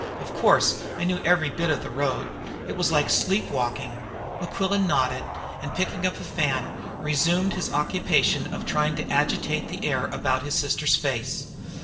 Of course, I knew every bit of the road. It was like sleep walking." Mequillen nodded, and, picking up a fan, resumed his occupation of trying to agitate the air about his sister's face.